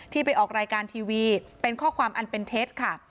ไปออกรายการทีวีเป็นข้อความอันเป็นเท็จค่ะ